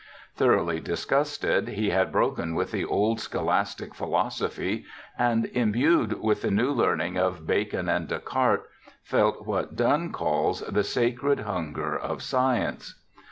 Thoroughly dis gusted, he had broken with the old scholastic philo sophy and, imbued with the new learning of Bacon and Descartes, felt what Donne calls ' the sacred hunger of science